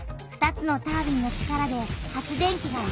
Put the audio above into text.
２つのタービンの力で発電機が動き